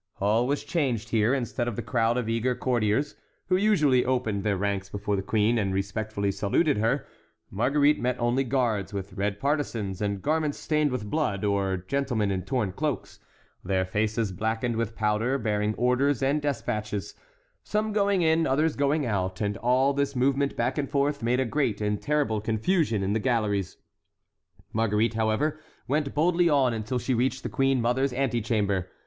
All was changed here. Instead of the crowd of eager courtiers, who usually opened their ranks before the queen and respectfully saluted her, Marguerite met only guards with red partisans and garments stained with blood, or gentlemen in torn cloaks,—their faces blackened with powder, bearing orders and despatches,—some going in, others going out, and all this movement back and forth made a great and terrible confusion in the galleries. Marguerite, however, went boldly on until she reached the queen mother's antechamber.